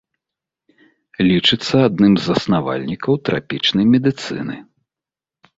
Лічыцца адным з заснавальнікаў трапічнай медыцыны.